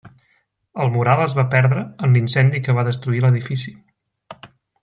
El mural es va perdre en l'incendi que va destruir l'edifici.